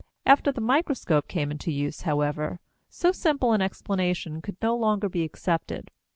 After the microscope came into use, however, so simple an explanation could no longer be accepted.